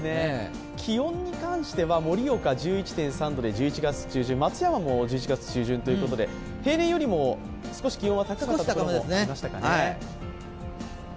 気温に関しては、盛岡１１．３度で１１月中旬、松山も１１月中旬ということで、平年よりも少し気温は高かったところもありましたかね。